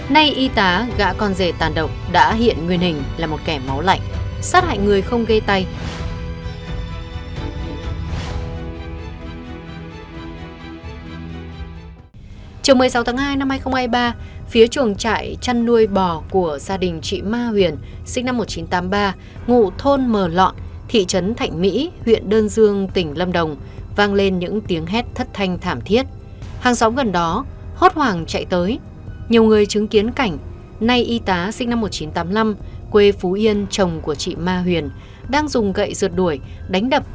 nay y tá gã con rể tàn độc đã hiện nguyên hình là một kẻ máu lạnh sát hại người không gây tay